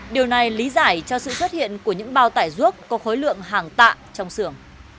điều này lý giải cho sự xuất hiện của những bao tải ruốc có khối lượng hàng tạ trong xưởng